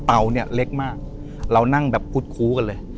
เนี่ยเล็กมากเรานั่งแบบคุดคู้กันเลย